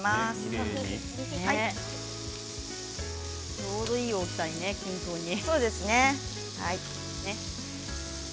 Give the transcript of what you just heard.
ちょうどいい大きさにね均等にね。